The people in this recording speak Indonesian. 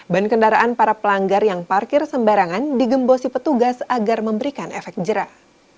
ban kendaraan para pelanggar yang parkir sembarangan digembosi petugas agar memberikan efek jerah